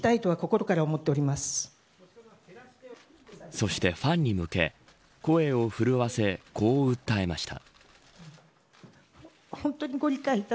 そしてファンに向け声を震わせ、こう訴えました。